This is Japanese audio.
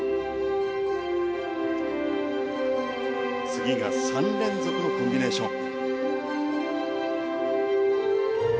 次が３連続のコンビネーション。